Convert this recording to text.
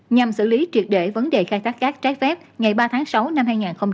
nhằm xử lý triệt để vấn đề khai thác cát trái phép ngày ba tháng sáu năm hai nghìn hai mươi